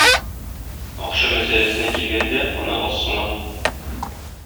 Акча мәсьәләсенә килгәндә, моны азсынам.